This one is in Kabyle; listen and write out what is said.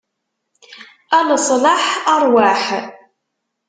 A leṣlaḥ, ṛwaḥ!